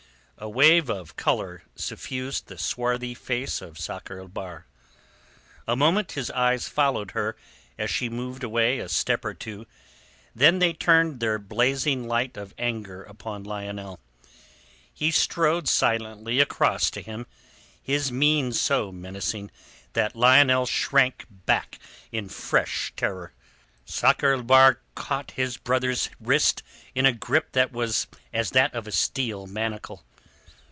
A wave of colour suffused the swarthy face of Sakr el Bahr. A moment his eyes followed her as she moved away a step or two, then they turned their blazing light of anger upon Lionel. He strode silently across to him, his mien so menacing that Lionel shrank back in fresh terror. Sakr el Bahr caught his brother's wrist in a grip that was as that of a steel manacle.